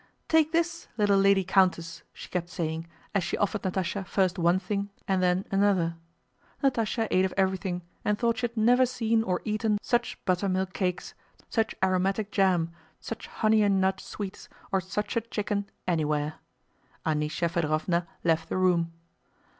"Take this, little Lady Countess!" she kept saying, as she offered Natásha first one thing and then another. Natásha ate of everything and thought she had never seen or eaten such buttermilk cakes, such aromatic jam, such honey and nut sweets, or such a chicken anywhere. Anísya Fëdorovna left the room.